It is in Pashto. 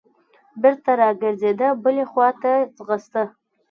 بېرته راګرځېده بلې خوا ته ځغسته.